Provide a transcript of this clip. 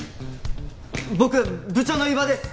僕部長の伊庭です！